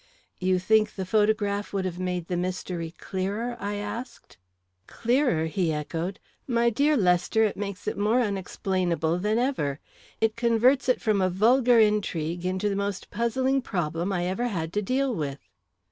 "You think the photograph would have made the mystery clearer?" I asked. "Clearer?" he echoed. "My dear Lester, it makes it more unexplainable than ever. It converts it from a vulgar intrigue into the most puzzling problem I ever had to deal with!"